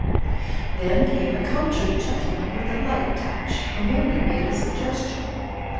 Then came a cultured gentleman with a light touch, who merely made a suggestion.